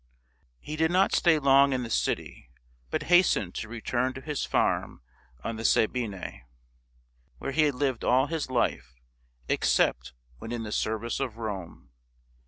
" He did not stay long in the city, but hastened to return to his farm on the Sabine, where he had lived all his life except when in the service of Rome.